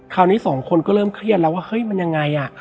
คราวนี้สองคนก็เริ่มเครียดแล้วว่าเฮ้ยมันยังไง